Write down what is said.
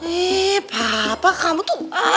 eh papa kamu tuh